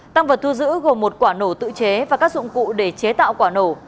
tăng vật thu giữ gồm một quả nổ tự chế và các dụng cụ để chế tạo quả nổ